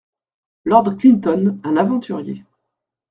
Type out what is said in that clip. Lord Clinton Un aventurier.